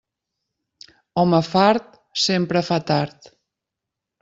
Home fart sempre fa tard.